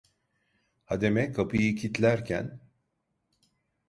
Hademe kapıyı kitlerken: